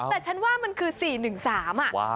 แต่ฉันว่ามันคือ๔๑๓อะ